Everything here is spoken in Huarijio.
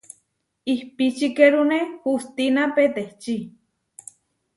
Ihpičikerune hustína petečí.